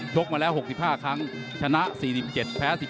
กมาแล้ว๖๕ครั้งชนะ๔๗แพ้๑๗